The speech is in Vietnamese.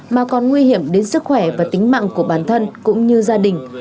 mà còn nguy hiểm đến sức khỏe và tính mạng của bản thân cũng như gia đình